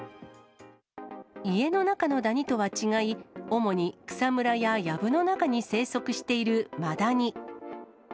家の中のダニとは違い、主に草むらややぶの中に生息しているマダニ。